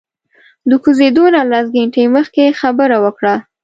د کوزیدلو نه لس ګنټې مخکې یې خبره وکړه.